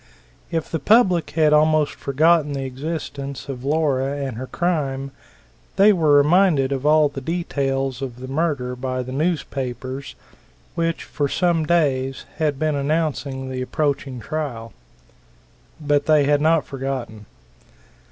If the public had almost forgotten the existence of Laura and her crime, they were reminded of all the details of the murder by the newspapers, which for some days had been announcing the approaching trial. But they had not forgotten.